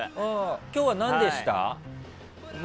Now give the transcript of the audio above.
今日は何でした？